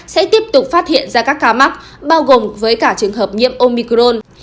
sẽ tiếp tục phát hiện ra các ca mắc bao gồm với cả trường hợp nhiễm omicron